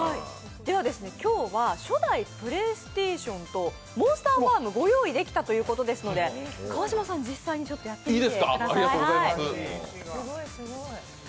今日は初代ＰｌａｙＳｔａｔｉｏｎと「モンスターファーム」ご用意できたということですので川島さん、実際にちょっとやってみてください。